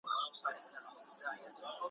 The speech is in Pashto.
خر په پوه سو چي لېوه ووغولولی `